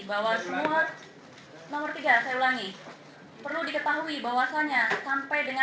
akan berbicara tentang